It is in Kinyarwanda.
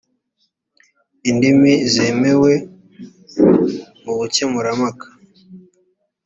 indimi zemewe mu bukemurampaka